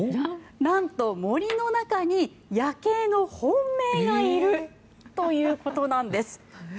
なんと、森の中にヤケイの本命がいるということなんです。